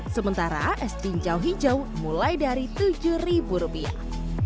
sementara es tinjau hijau mulai dari tujuh ribu rupiah